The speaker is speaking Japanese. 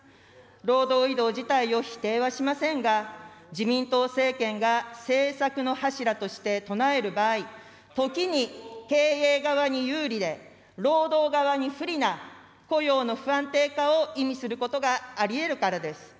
労働移動自体を否定はしませんが、自民党政権が政策の柱として唱える場合、時に経営側に有利で、労働側に不利な雇用の不安定化を意味することがありえるからです。